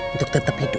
untuk tetap hidup